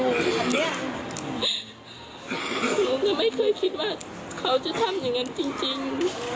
หนูก็ไม่เคยคิดว่าเขาจะทำอย่างนั้นจริง